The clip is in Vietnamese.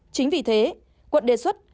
chính vì thế quận đề xuất